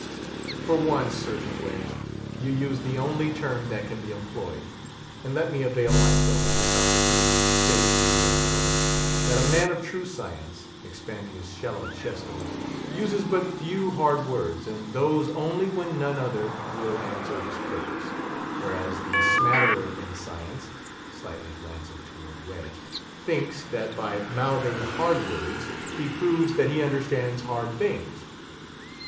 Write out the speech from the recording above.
"For once, Surgeon Wedge, you use the only term that can be employed; and let me avail myself of this opportunity to say to you, young gentlemen, that a man of true science"—expanding his shallow chest a little—"uses but few hard words, and those only when none other will answer his purpose; whereas the smatterer in science"—slightly glancing toward Wedge—"thinks, that by mouthing hard words, he proves that he understands hard things.